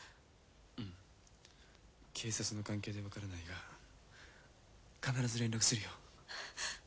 うん警察の関係でわからないが必ず連絡するよ。